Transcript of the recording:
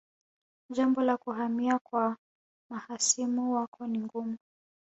Jambo la kuhamia kwa mahasimu wako ni gumu